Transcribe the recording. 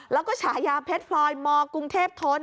แล้วก็ฉายาเพชรพลอยมกรุงเทพทน